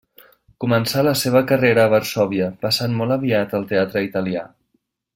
Començà la seva carrera a Varsòvia, passant molt aviat al teatre Italià.